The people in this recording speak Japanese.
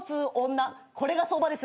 これが相場です。